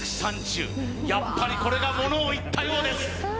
やっぱりこれがものをいったようです